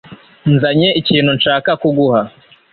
nzanye ikintu nshaka kuguha